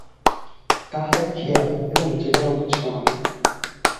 তাহার খেয়াল এবং জেদের অন্ত ছিল না।